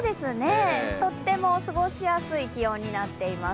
とっても過ごしやすい気温になっています。